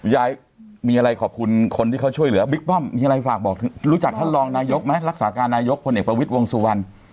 ยายมีอะไรขอบคุณคนที่เขาช่วยเหลือบิ๊กป้อมมีอะไรฝากบอกรู้จักท่านรองนายกไหมรักษาการนายกพลเอกประวิทย์วงสุวรรณ